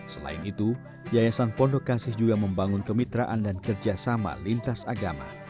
selain itu yayasan pondok kasih juga membangun kemitraan dan kerjasama lintas agama